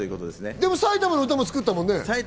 でも埼玉の歌も作ったもんね。